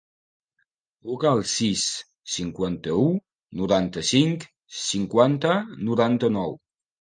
Truca al sis, cinquanta-u, noranta-cinc, cinquanta, noranta-nou.